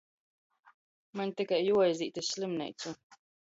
Maņ tikai juoaizīt iz slimneicu.